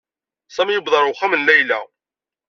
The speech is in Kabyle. Sami yewweḍ ɣer uxxam n Layla.